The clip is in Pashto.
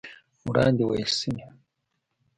وړاندې ويل شوي